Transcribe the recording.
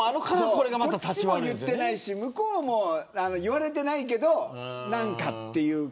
こっちも言ってないし向こうも言われてないけど何かっていう。